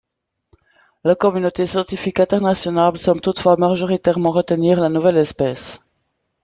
La communauté scientifique internationale semble toutefois majoritairement retenir la nouvelle espèce.